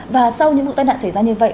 và sau những vụ tai nạn xảy ra như vậy